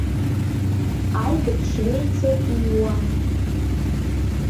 Альберт Швеицер иҩуан…